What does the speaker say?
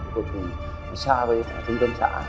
phục vụ xa với trung tâm xã